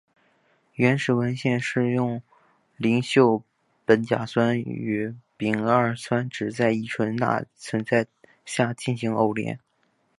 原始文献是用邻溴苯甲酸与丙二酸酯在乙醇钠存在下进行偶联。